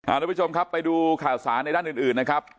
ทุกผู้ชมครับไปดูข่าวสารในด้านอื่นนะครับ